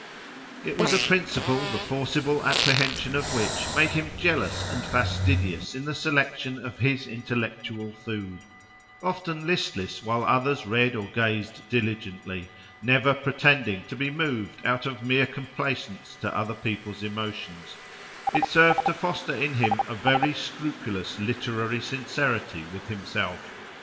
It was a principle, the forcible apprehension of which made him jealous and fastidious in the selection of his intellectual food; often listless while others read or gazed diligently; never pretending to be moved out of mere complaisance to people's emotions: it served to foster in him a very scrupulous literary sincerity with himself.